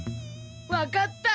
分かった！